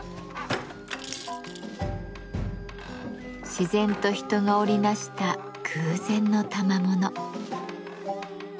自然と人が織り成した偶然のたまもの。